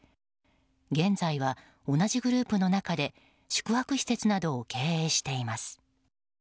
現在は同じグループの中で宿泊施設などを経営しています。